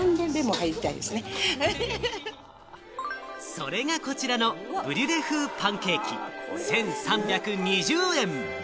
それがこちらのブリュレ風パンケーキ、１３２０円。